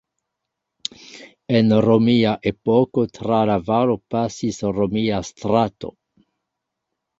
En romia epoko tra la valo pasis romia strato.